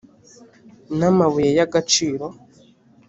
n amabuye y agaciro